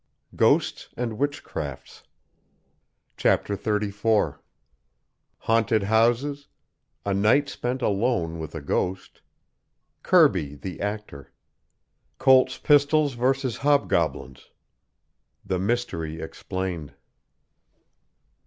GHOSTS AND WITCHCRAFTS. CHAPTER. XXXIV. HAUNTED HOUSES. A NIGHT SPENT ALONE WITH A GHOST. KIRBY, THE ACTOR. COLT'S PISTOLS VERSUS HOBGOBLINS. THE MYSTERY EXPLAINED.